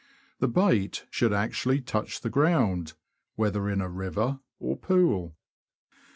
The bait should actually touch the ground, whether in a river or pool.